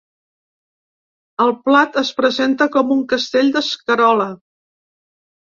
El plat es presenta com un castell d’escarola.